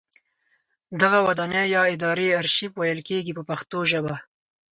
دغه ودانۍ یا ادارې ارشیف ویل کیږي په پښتو ژبه.